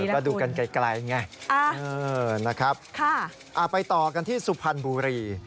ไหนล่ะคุณเออนะครับไปต่อกันที่สุพรรณบุรี